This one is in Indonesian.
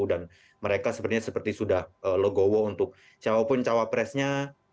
dan mereka sepertinya sudah seperti legowo untuk siapapun cawapresnya